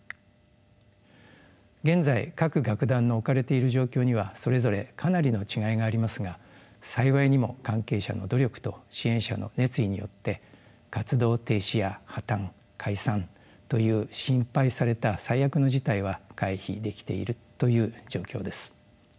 現在各楽団の置かれている状況にはそれぞれかなりの違いがありますが幸いにも関係者の努力と支援者の熱意によって活動停止や破綻解散という心配された最悪の事態は回避できているという状況です。